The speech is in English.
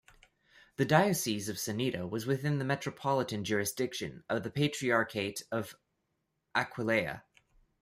The diocese of Ceneda was within the metropolitan jurisdiction of the Patriarchate of Aquileia.